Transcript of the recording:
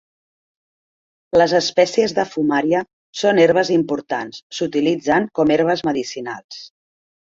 Les espècies de Fumaria són herbes importants, s'utilitzen com herbes medicinals.